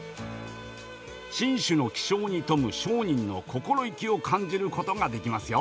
進取の気性に富む商人の心意気を感じることができますよ。